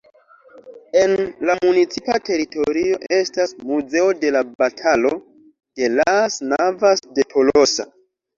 En la municipa teritorio estas Muzeo de la Batalo de las Navas de Tolosa.